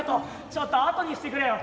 ちょっとあとにしてくれよ。